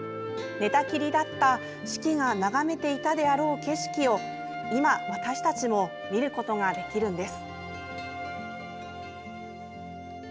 寝たきりだった子規が眺めていたであろう景色を今、私たちも見ることができるんです。